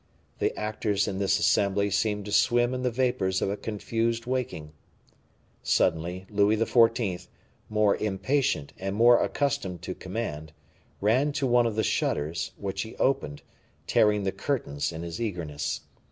The actors in this assembly seemed to swim in the vapors of a confused waking. Suddenly Louis XIV., more impatient and more accustomed to command, ran to one of the shutters, which he opened, tearing the curtains in his eagerness.